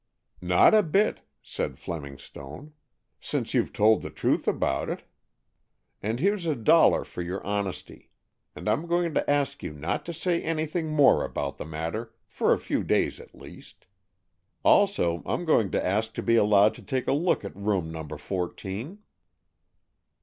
"Not a bit," said Fleming Stone, "since you've told the truth about it, and here's a dollar for your honesty. And I'm going to ask you not to say anything more about the matter, for a few days at least. Also I'm going to ask to be allowed to take a look at room number fourteen."